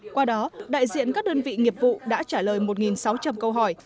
qua đó đại diện các đơn vị nghiệp vụ đã trả lời một sáu trăm linh câu hỏi